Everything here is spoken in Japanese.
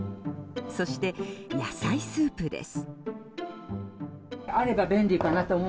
そして、野菜スープです。